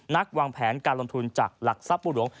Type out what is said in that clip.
วางแผนการลงทุนจากหลักทรัพย์บุหลวง